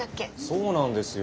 そうなんですよ。